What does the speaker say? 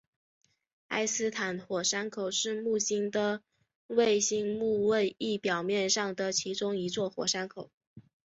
埃斯坦火山口是木星的卫星木卫一表面上的其中一座火山口。